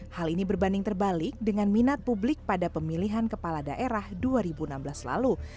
hal ini berbanding terbalik dengan minat publik pada pemilihan kepala daerah dua ribu enam belas lalu